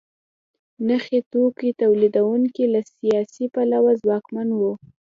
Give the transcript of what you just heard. نخي توکو تولیدوونکي له سیاسي پلوه ځواکمن وو.